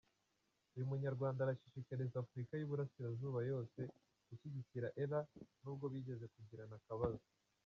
Uyu Munyarwanda arashishikariza Afurika y’Uburasirazuba yose gushyigikira Ellah nubwo bigeze kugirana akabazo.